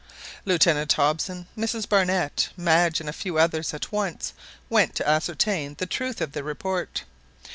Lieutenant Hobson, Mrs Barnett, Madge, and a few others at once went to ascertain the truth of the report.